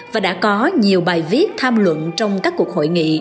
và đã có nhiều bài viết tham luận trong các cuộc hội nghị